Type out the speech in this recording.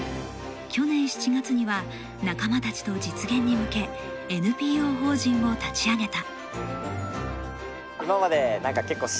去年７月には仲間たちと実現に向けＮＰＯ法人を立ち上げた。